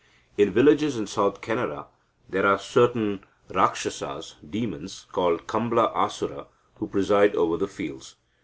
In villages in South Canara there are certain rakshasas (demons), called Kambla Asura, who preside over the fields.